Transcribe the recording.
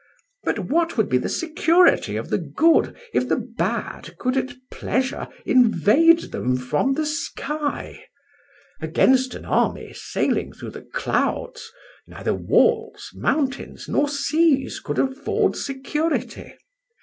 But what would be the security of the good if the bad could at pleasure invade them from the sky? Against an army sailing through the clouds neither walls, mountains, nor seas could afford security.